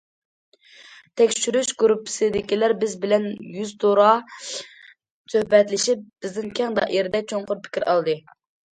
تەكشۈرۈش گۇرۇپپىسىدىكىلەر بىز بىلەن يۈزتۇرا سۆھبەتلىشىپ، بىزدىن كەڭ دائىرىدە، چوڭقۇر پىكىر ئالدى.